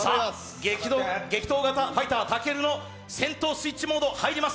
激闘型ファイター武尊の戦闘スイッチモード入ります。